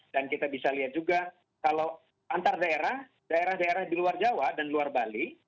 dan kita bisa lihat juga kalau antar daerah daerah daerah di luar jawa dan luar bali